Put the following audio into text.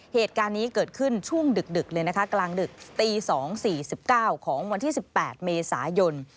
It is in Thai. เหตุการณ์นี้เกิดขึ้นช่วงดึกเลยนะคะกลางดึกตี๒๔๙ของวันที่๑๘เมษายน